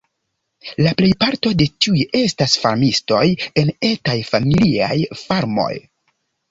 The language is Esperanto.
La plejparto de tiuj estas farmistoj en etaj familiaj farmoj.